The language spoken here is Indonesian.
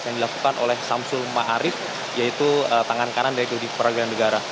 yang dilakukan oleh samsul ma'arif yaitu tangan kanan dari dudi peragelan negara